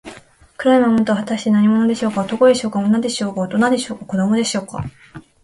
黒い魔物とは、はたして何者でしょうか。男でしょうか、女でしょうか、おとなでしょうか、子どもでしょうか。